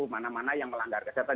mana mana yang melanggar kesehatan